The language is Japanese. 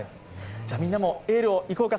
みんなもエールをいこうか。